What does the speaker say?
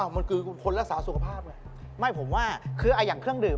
มันคือคนรักษาสุขภาพไงไม่ผมว่าคืออย่างเครื่องดื่ม